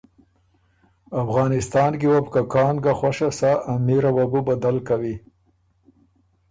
افغانستان کی وه بو که کان ګۀ خؤشه سَۀ ا امیره وه بُو بدل کوی۔